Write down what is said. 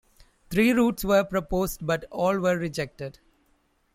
Three routes were proposed but all were rejected.